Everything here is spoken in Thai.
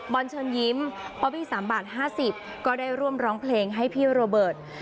เชิญยิ้มป๊อบบี้๓บาท๕๐ก็ได้ร่วมร้องเพลงให้พี่โรเบิร์ต